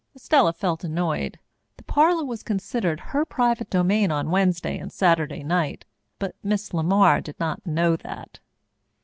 Estella felt annoyed. The parlour was considered her private domain on Wednesday and Saturday night, but Miss LeMar did not know that.